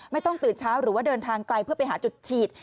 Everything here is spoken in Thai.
ไม่ต้องตื่นเช้าหรือว่าเดินทางไกลเพื่อไปหาจุดฉีด